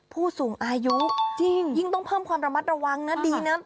ผู้สูงอายุจริงยิ่งต้องเพิ่มความระมัดระวังนะดีนะ